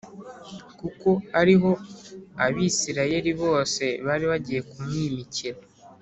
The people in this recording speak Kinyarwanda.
kuko ari ho Abisirayeli bose bari bagiye kumwimikira